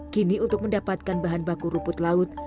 kini untuk mendapatkan bahan baku rumput laut